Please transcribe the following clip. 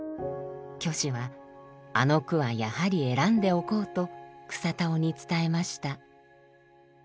虚子は「あの句はやはり選んでおこう」と草田男に伝えました。